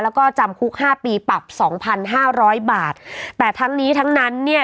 แล้วก็จำคุกห้าปีปรับสองพันห้าร้อยบาทแต่ทั้งนี้ทั้งนั้นเนี่ย